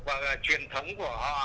và truyền thống của họ